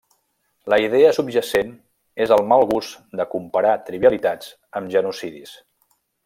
La idea subjacent és el mal gust de comparar trivialitats amb genocidis.